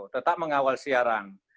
tetap mengawal siaran